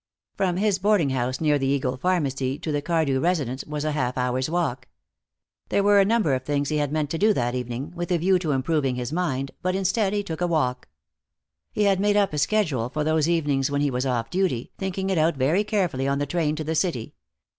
From his boarding house near the Eagle Pharmacy to the Cardew residence was a half hour's walk. There were a number of things he had meant to do that evening, with a view to improving his mind, but instead he took a walk. He had made up a schedule for those evenings when he was off duty, thinking it out very carefully on the train to the city.